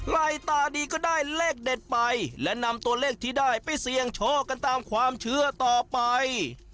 ลายตาดีก็ได้เลขเด็ดไปและนำตัวเลขที่ได้ไปเสี่ยงโชคกันตามความเชื่อต่อไป